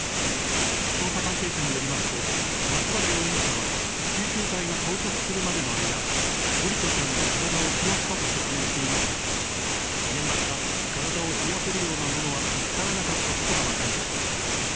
捜査関係者によりますと、松原容疑者は、救急隊が到着するまでの間、桜利斗ちゃんの体を冷やしたと説明していましたが、現場から体を冷やせるようなものは見つからなかったことが分かりました。